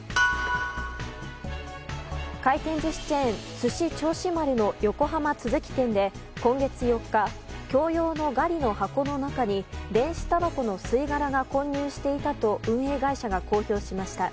回転寿司チェーンすし銚子丸の横浜都築店で今月４日の供用のガリの箱の中に電子たばこの吸い殻が混入していたと運営会社が公表しました。